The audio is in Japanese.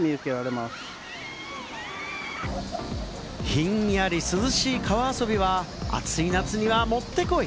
ひんやり涼しい川遊びは、暑い夏にはもってこい！